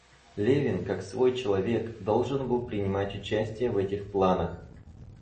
Левин, как свой человек, должен был принимать участие в этих планах.